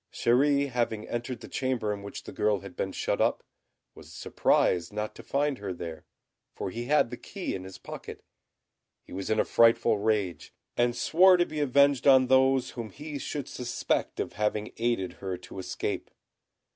Chéri having entered the chamber in which the girl had been shut up, was surprised not to find her there, for he had the key in his pocket. He was in a frightful rage, and swore to be avenged on those whom he should suspect of having aided her to escape.